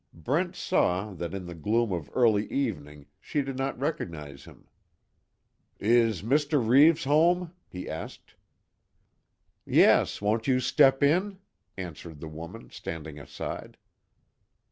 Brent saw that in the gloom of early evening she did not recognize him. "Is Mr. Reeves home?" he asked. "Yes, won't you step in? answered the woman, standing aside.